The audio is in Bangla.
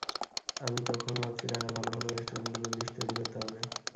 আমি তখন ভাবছি ঢাকার ভালো ভালো রেস্টুরেন্টগুলোর লিস্ট তৈরি করতে হবে।